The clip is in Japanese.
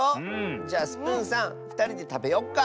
じゃあスプーンさんふたりでたべよっか。